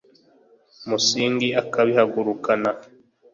Umusing akabíhagurukana